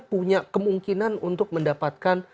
punya kemungkinan untuk mendapatkan